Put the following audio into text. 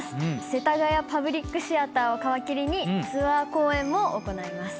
世田谷パブリックシアターを皮切りにツアー公演も行います。